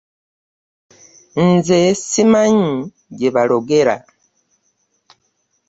Nze ssimanyi gye balogera.